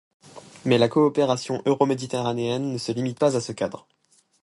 Mais la coopération euroméditerranéenne ne se limite pas à ce cadre.